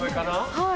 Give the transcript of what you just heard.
はい。